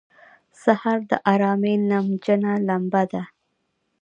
سهار د آرامۍ نمجنه لمبه ده.